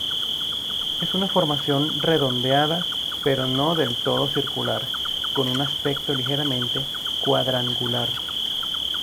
Es una formación redondeada pero no del todo circular, con un aspecto ligeramente cuadrangular.